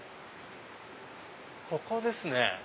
ここですね。